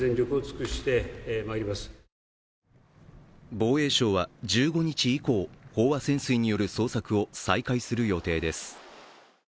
防衛省は１５日以降、飽和潜水による捜索を再開する予定です。